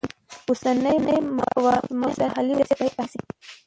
اوسنی مالي وضعیت باید تحلیل شي.